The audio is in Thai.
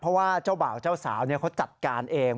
เพราะว่าเจ้าบ่าวเจ้าสาวเขาจัดการเอง